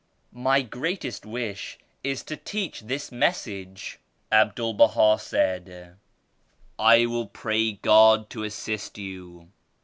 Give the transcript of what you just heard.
"My greatest wish is to teach this Message." Abdul Baha said: "I will pray God to assist you.